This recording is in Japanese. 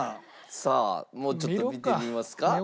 さあもうちょっと見てみますか。